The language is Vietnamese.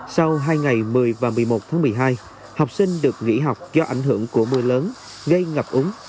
sau hai ngày một mươi và một mươi một tháng một mươi hai học sinh được nghỉ học do ảnh hưởng của mưa lớn gây ngập úng